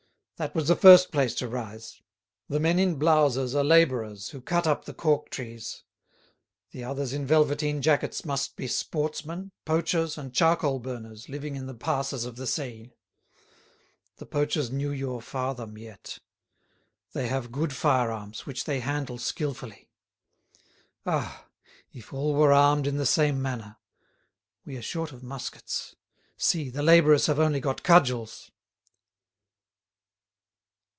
That was the first place to rise. The men in blouses are labourers who cut up the cork trees; the others in velveteen jackets must be sportsmen, poachers, and charcoal burners living in the passes of the Seille. The poachers knew your father, Miette. They have good firearms, which they handle skilfully. Ah! if all were armed in the same manner! We are short of muskets. See, the labourers have only got cudgels!"